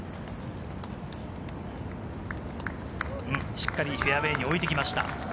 しっかりフェアウエーに置いてきました。